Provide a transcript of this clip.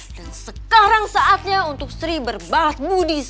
dan sekarang saatnya untuk sri berbalas budi